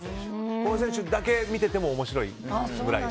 この選手だけ見てても面白いぐらい。